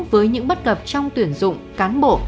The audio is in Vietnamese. với những bất cập trong tuyển dụng cán bộ